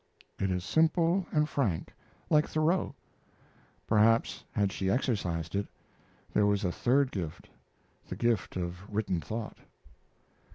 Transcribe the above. It is simple and frank, like Thoreau. Perhaps, had she exercised it, there was a third gift the gift of written thought.